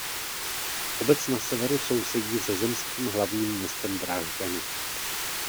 Obec na severu sousedí se zemským hlavním městem Drážďany.